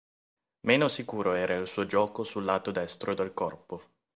Meno sicuro era il suo gioco sul lato destro del corpo.